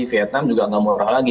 vietnam juga nggak murah lagi